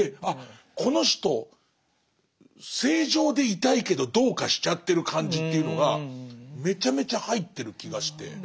あっこの人正常でいたいけどどうかしちゃってる感じというのがめちゃめちゃ入ってる気がして。